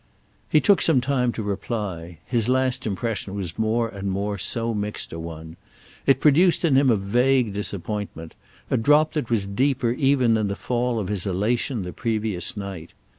He took some time to reply—his last impression was more and more so mixed a one. It produced in him a vague disappointment, a drop that was deeper even than the fall of his elation the previous night.